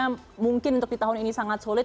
karena mungkin untuk di tahun ini sangat sulit